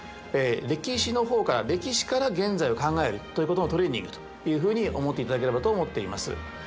歴史の方から歴史から現在を考えるということのトレーニングというふうに思っていただければと思っています。